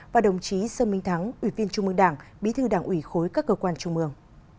và đồng chí sơn minh thắng ủy viên trung mương đảng bí thư đảng ủy khối các cơ quan trung mương